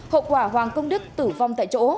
hậu quả hoàng công đức tử vong tại chỗ